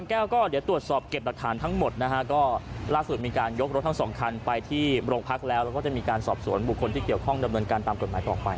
ก็เห็นว่ารถคันสีแดงแต่อย่างงี้รถแท็กซี่ไปอย่างงั้น